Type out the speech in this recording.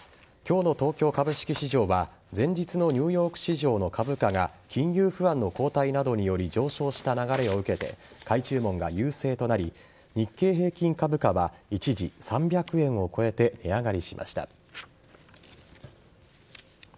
今日の東京株式市場は前日のニューヨーク市場の株価が金融不安の後退などにより上昇した流れを受けて買い注文が優勢となり日経平均株価は一時、３００円を超えて値上がりしました。